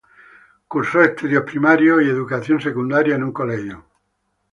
Cursó estudios primarios y educación secundaria en el Colegio Nacional de San Isidro.